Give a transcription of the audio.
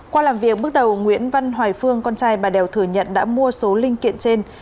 qua làm việc bước đầu nguyễn văn hoài phương con trai bà đèo thừa nhận đã mua số linh kiện trên